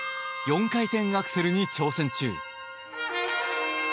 ４回転アクセルに挑戦中。